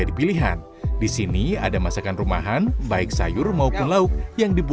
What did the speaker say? di warung ini sayur yang saya suka adalah sayur roti jubani